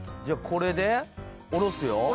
じゃあこれで下ろすよ？